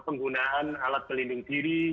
penggunaan alat pelindung diri